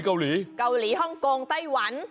เกาหลีฮองโกงไต้หวัน